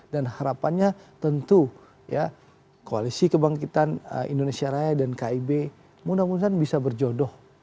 dan harapannya tentu ya koalisi kebangkitan indonesia raya dan kib mudah mudahan bisa berjodoh